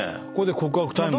告白タイムか。